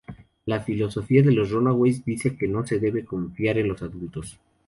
La filosofía de los Runaways dice que no se debe confiar en los adultos.